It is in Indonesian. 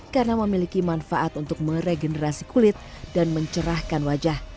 karena memiliki manfaat untuk meregenerasi kulit dan mencerahkan wajah